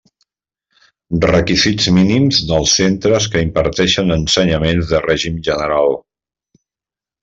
Requisits mínims dels centres que imparteixen ensenyaments de règim general.